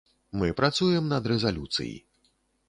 Мы працуем над рэзалюцый.